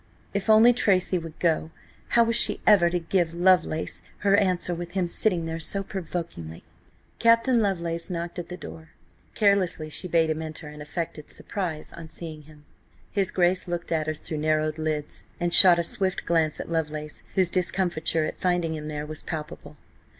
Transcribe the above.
If only Tracy would go! How was she ever to give Lovelace her answer with him sitting there so provokingly. Captain Lovelace knocked at the door. Carelessly she bade him enter, and affected surprise on seeing him. His Grace looked at her through narrowed lids, and shot a swift glance at Lovelace, whose discomfiture at finding him there was palpable.